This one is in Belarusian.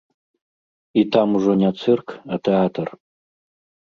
І там ужо не цырк, а тэатр.